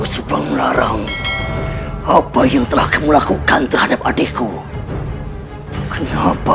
sampai jumpa di video selanjutnya